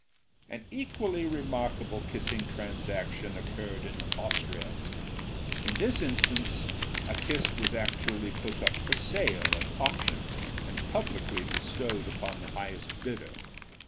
An equally remarkable kissing transaction occurred in Austria: In this instance a kiss was actually put up for sale at auction, and publicly bestowed upon the highest bidder.